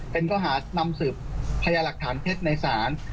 เป็นข้อหานำสืบพยาหลักฐานเท็จในศาล